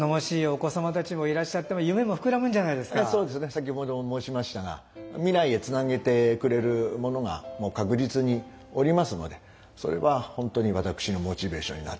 先ほども申しましたが未来へつなげてくれる者が確実におりますのでそれは本当に私のモチベーションになっております。